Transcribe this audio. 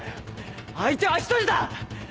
相手は１人だ！